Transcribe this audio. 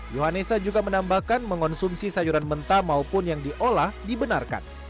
yohanesa juga menambahkan mengonsumsi sayuran mentah maupun yang diolah dibenarkan